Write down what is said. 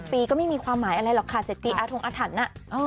ปีก็ไม่มีความหมายอะไรหรอกค่ะ๗ปีอาทงอาถรรพ์